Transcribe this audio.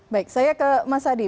baik saya ke mas adi